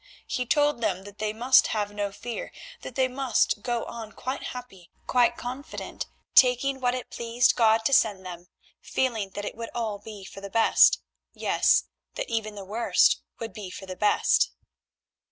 He told them that they must have no fear, that they must go on quite happy, quite confident, taking what it pleased God to send them, feeling that it would all be for the best; yes, that even the worst would be for the best.